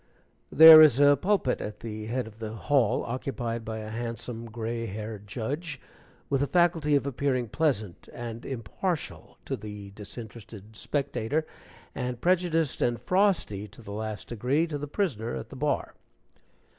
There is a pulpit at the head of the hall, occupied by a handsome gray haired judge, with a faculty of appearing pleasant and impartial to the disinterested spectator, and prejudiced and frosty to the last degree to the prisoner at the bar.